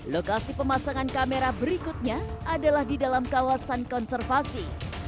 lokasi pemasangan kamera berikutnya adalah di dalam kawasan konservasi